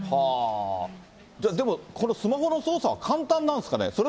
でも、このスマホの操作は簡単なんですかね。